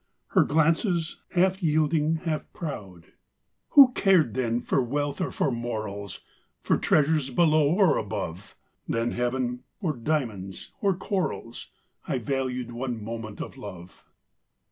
Her glances, half yielding, half proud! SONGS AND DREAMS Who cared then for wealth or for morals, For treasures below or above; Than heaven, or diamonds, or corals, I valued one moment of love.